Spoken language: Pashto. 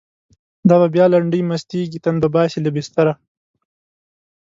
دا به بیا لنډۍ مستیږی، تن به باسی له بستره